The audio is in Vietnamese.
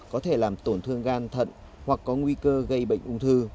có thể làm tổn thương gan thận hoặc có nguy cơ gây bệnh ung thư